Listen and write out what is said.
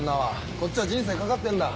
こっちは人生懸かってんだ。